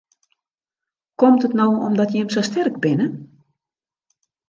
Komt it no omdat jim sa sterk binne?